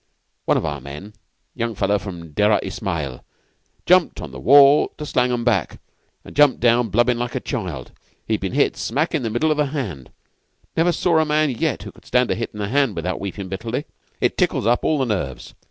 One of our men, a young fellow from Dera Ismail, jumped on the wall to slang 'em back, and jumped down, blubbing like a child. He'd been hit smack in the middle of the hand. 'Never saw a man yet who could stand a hit in the hand without weepin' bitterly. It tickles up all the nerves.